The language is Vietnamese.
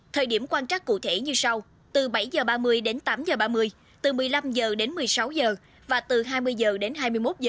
thời điểm quan trắc cụ thể như sau từ bảy h ba mươi đến tám h ba mươi từ một mươi năm h đến một mươi sáu h và từ hai mươi h đến hai mươi một h